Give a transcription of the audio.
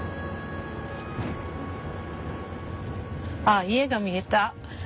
あっ家が見えた。